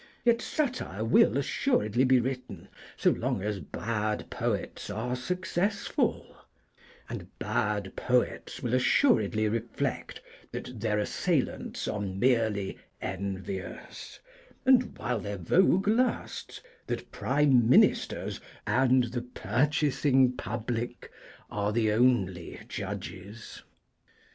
Yet satire will assuredly be written so long as bad poets are successful, and bad poets will assuredly reflect that their assailants are merely envious, and, while their vogue lasts, that Prime Ministers and the purchasing public are the only judges.